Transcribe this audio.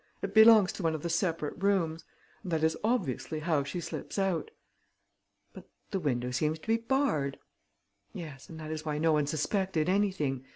It belongs to one of the separate rooms ... and that is obviously how she slips out." "But the window seems to be barred." "Yes; and that is why no one suspected anything.